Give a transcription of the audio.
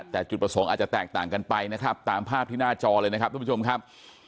แต่จุดประสงค์อาจจะแตกต่างกันไปนะครับตามภาพที่หน้าจอเลยนะครับทุกผู้ชมครับ